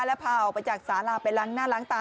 แล้วพาออกไปจากสาราไปล้างหน้าล้างตา